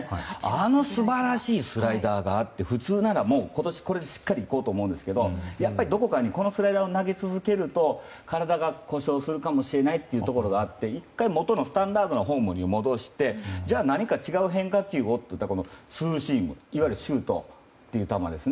あの素晴らしいスライダーがあって普通なら今年、これをしっかりいこうと思うんですけどやっぱり、どこかにこのスライダーを投げ続けると体が故障するかもしれないというところがあって１回、もとのスタンダードなフォームに戻してじゃあ何か違う変化球をというとツーシームいわゆるシュートという球です。